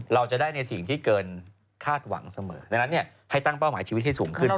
เราจะได้ในสิ่งที่เกินคาดหวังเสมอดังนั้นให้ตั้งเป้าหมายชีวิตให้สูงขึ้น